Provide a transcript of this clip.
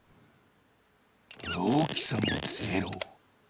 おおきさもゼロ！